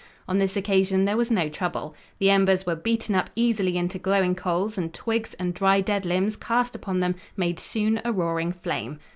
On this occasion there was no trouble. The embers were beaten up easily into glowing coals and twigs and dry dead limbs cast upon them made soon a roaring flame.